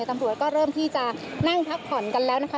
ตำรวจก็เริ่มที่จะนั่งพักผ่อนกันแล้วนะคะ